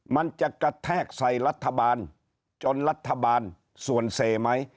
มันจะกระแทกใส่รัฐบาลจนรัฐบาลส่วนเสไหม